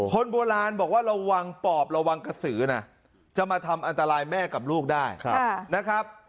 คนโบราณบอกว่าระวังปอบระวังกระสือนะจะมาทำอันตรายแม่กับลูกได้นะครับ